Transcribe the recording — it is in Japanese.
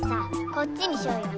こっちにしようよ。